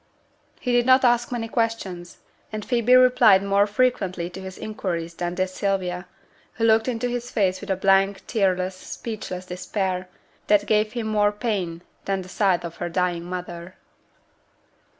He did not ask many questions, and Phoebe replied more frequently to his inquiries than did Sylvia, who looked into his face with a blank, tearless, speechless despair, that gave him more pain than the sight of her dying mother.